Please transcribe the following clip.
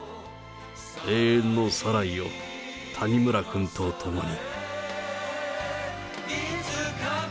永遠のサライを、谷村君と共に。